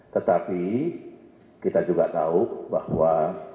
tetapi kita juga tahu bahwa